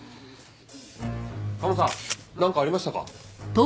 カモさんなんかありましたか？